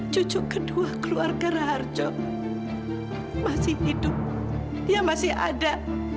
cucu kedua keluarga raharjo masih hidup dia masih ada